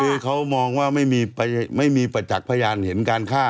คือเขามองว่าไม่มีประจักษ์พยานเห็นการฆ่า